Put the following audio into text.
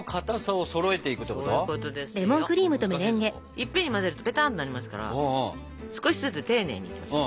いっぺんに混ぜるとぺたんとなりますから少しずつ丁寧にいきましょう。